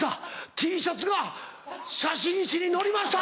Ｔシャツが写真誌に載りました。